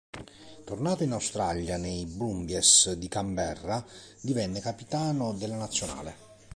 Tornato in Australia nei Brumbies di Canberra divenne capitano della Nazionale.